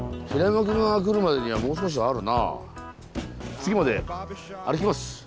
次まで歩きます。